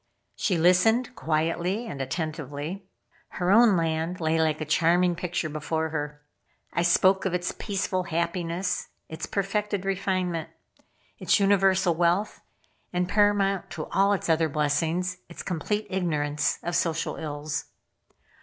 She listened quietly and attentively. Her own land lay like a charming picture before her. I spoke of its peaceful happiness, its perfected refinement, its universal wealth, and paramount to all its other blessings, its complete ignorance of social ills.